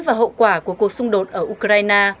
và hậu quả của cuộc xung đột ở ukraine